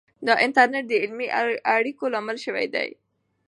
د انټرنیټ د علمي اړیکو لامل سوی دی.